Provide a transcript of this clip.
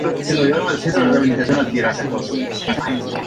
Su dieta se basa en insectos, principalmente larvas, y en ocasiones frutas.